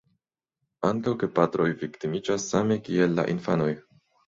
Ankaŭ gepatroj viktimiĝas same kiel la infanoj.